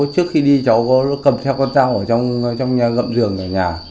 trước khi đi cháu có cầm theo con trao ở trong nhà gậm giường ở nhà